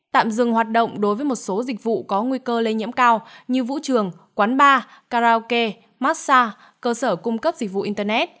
tạm dừng hoạt động đối với một số dịch vụ có nguy cơ lây nhiễm cao như vũ trường quán bar karaoke massage cơ sở cung cấp dịch vụ internet